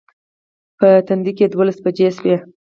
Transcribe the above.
په تندي کې دولس بجې شوې.